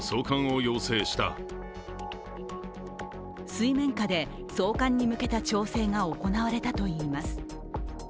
水面下で送還に向けた調整が行われたといいます。